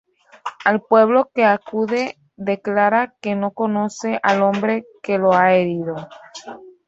Al pueblo que acude declara que no conoce al hombre que lo ha herido.